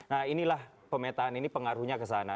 nah inilah pemetaan ini pengaruhnya ke sana